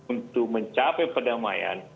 untuk mencapai perdamaian